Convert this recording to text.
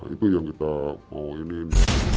itu yang kita mau iniin